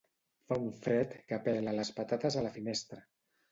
Fa un fred que pela les patates a la finestra